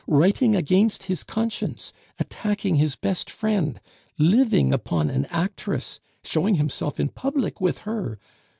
Writing against his conscience! Attacking his best friend! Living upon an actress! Showing himself in public with her.